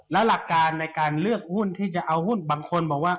แล้วหลักการในการเลือกหุ้นที่จะเอาหุ้นบางคนบอกว่า